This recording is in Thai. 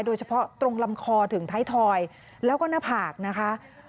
โดยเฉพาะตรงลำคอถึงท้ายทอยแล้วก็หน้าผากนะคะ